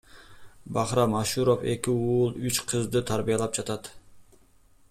Бахрам Ашуров эки уул, үч кызды тарбиялап жатат.